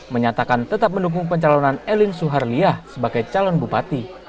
menyatakan tetap mendukung pencalonan elin suharliah sebagai calon bupati